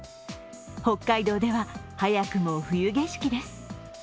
北海道では早くも冬景色です。